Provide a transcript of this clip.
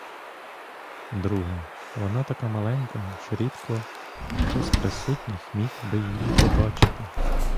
Друге: вона така маленька, що рідко хто з присутніх міг би її побачити.